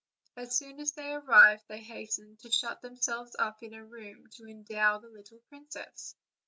As soon as they arrived they hastened to shut themselves up in a room to endow the little princess.